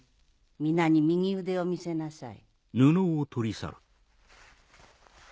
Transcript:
皆に右腕を見せなさい。